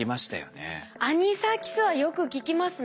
アニサキスはよく聞きますね。